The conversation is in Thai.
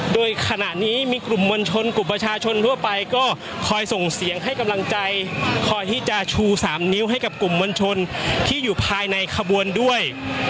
โดยขณะนี้มีกลุ่มมวลชนกลุ่มประชาชนทั่วไปก็คอยส่งเสียงให้กำลังใจคอยที่จะชู๓นิ้วให้กับกลุ่มมวลชนที่อยู่ภายในขบวนด้วย